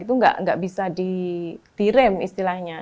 itu nggak bisa direm istilahnya